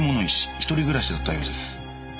一人暮らしだったようです。